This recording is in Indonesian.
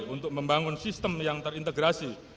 untuk membangun sistem yang terintegrasi